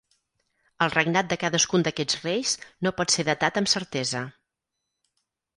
El regnat de cadascun d'aquests reis no pot ser datat amb certesa.